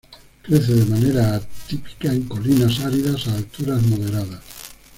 Crece de manera típica en colinas áridas a alturas moderadas.